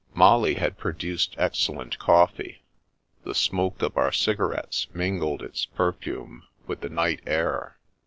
Molly had produced excellent coffee; the smoke of our cigarettes mingled its perfume with the night air.